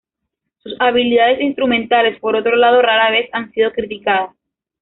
Sus habilidades instrumentales, por otro lado, rara vez han sido criticadas.